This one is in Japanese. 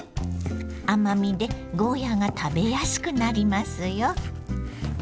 甘みでゴーヤーが食べやすくなりますよ。